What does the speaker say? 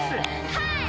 はい！